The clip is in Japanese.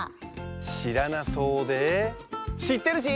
しらなそうでしってるし！